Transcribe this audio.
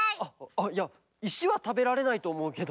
あっいやいしはたべられないとおもうけど。